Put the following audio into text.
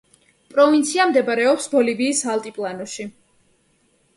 პროვინცია მდებარეობს ბოლივიის ალტიპლანოში.